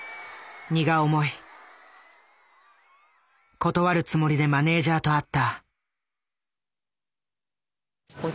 断るつもりでマネージャーと会った。